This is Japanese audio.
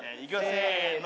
せの。